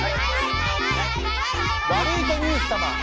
ワルイコニュース様。